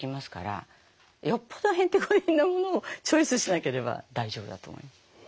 よっぽどへんてこりんなものをチョイスしなければ大丈夫だと思います。